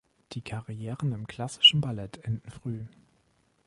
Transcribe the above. Die Karrieren im klassischen Ballett enden früh.